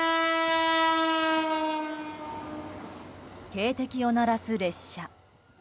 警笛を鳴らす列車。